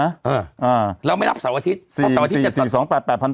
เออเออเราไม่รับเสาร์อาทิตย์สี่สี่สี่สองแปดแปดพัน